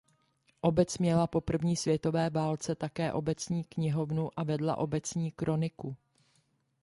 Obec měla po první světové válce také obecní knihovnu a vedla obecní kroniku.